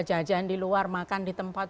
jajan di luar makan di tempat